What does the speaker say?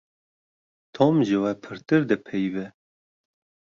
Tom ji we pirtir dipeyive.